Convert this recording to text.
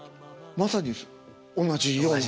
まさに同じような。